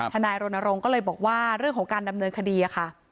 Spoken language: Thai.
ธนาฬิบัตรโรนโรงก็เลยบอกว่าเรื่องของการดำเนินคดีค่ะ